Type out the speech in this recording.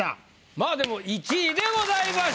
まあでも１位でございました。